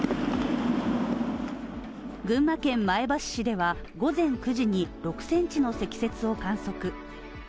群馬県前橋市では午前９時に６ｃｍ以上の積雪を観測。